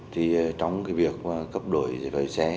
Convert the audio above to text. thì trong cái việc cấp đổi giải phép lấy xe